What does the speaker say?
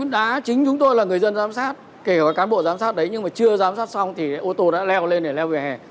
đá chính chúng tôi là người dân giám sát kể vào cán bộ giám sát đấy nhưng mà chưa giám sát xong thì ô tô đã leo lên để leo vỉa hè